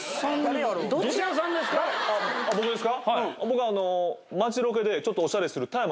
僕ですか？